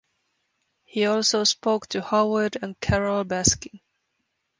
He also spoke to Howard and Carole Baskin.